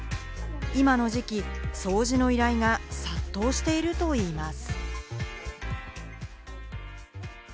今の時期、掃除の依頼が殺到しているといいます。